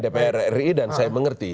dpr ri dan saya mengerti